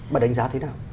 bà đánh giá thế nào